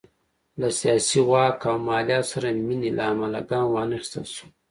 له سیاسي واک او مالیاتو سره مینې له امله ګام وانخیستل شو.